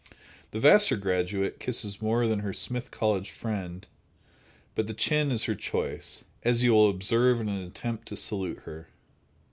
The Vassar graduate kisses more than her Smith College friend, but the chin is her choice, as you will observe in an attempt to salute her.